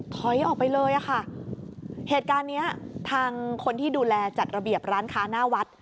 ถอยออกไปเลยอ่ะค่ะเหตุการณ์เนี้ยทางคนที่ดูแลจัดระเบียบร้านค้าหน้าวัด